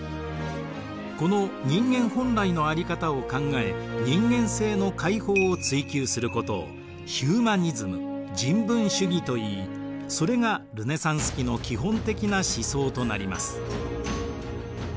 この人間本来のあり方を考え人間性の解放を追求することをヒューマニズム人文主義といいそれがルネサンス期の基本的な思想となります。